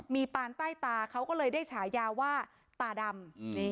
มีปานใต้ตาเขาก็เลยได้ฉายาว่าตาดำ